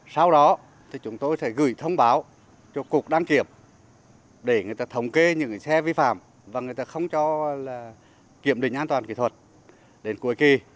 sau đó thì chúng tôi sẽ gửi thông báo cho cục đăng kiểm để người ta thống kê những xe vi phạm và người ta không cho kiểm định an toàn kỹ thuật đến cuối kỳ